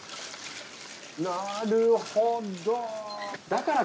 なるほど。